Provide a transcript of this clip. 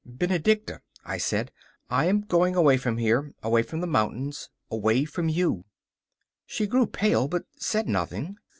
'Benedicta,' I said, 'I am going away from here away from the mountains away from you.' She grew pale, but said nothing.